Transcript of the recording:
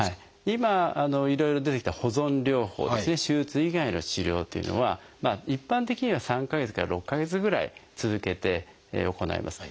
今いろいろ出てきた保存療法ですね手術以外の治療というのは一般的には３か月から６か月ぐらい続けて行います。